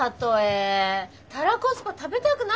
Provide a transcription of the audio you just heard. たらこスパ食べたくなるじゃない？